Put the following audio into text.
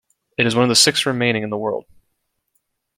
It is one of six remaining in the world.